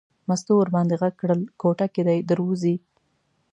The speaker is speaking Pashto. مستو ور باندې غږ کړل کوټه کې دی در وځي.